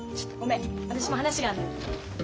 私も話があるのよ。